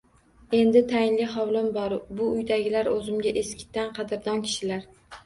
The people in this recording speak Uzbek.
Endi tayinli hovlim bor, bu uydagilar o‘zimga eskitdan qadrdon kishilar